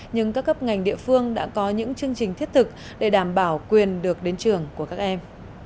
nhưng các cấp ngành địa phương đã có những chương trình thiết thực để đảm bảo quyền được đến trường của các em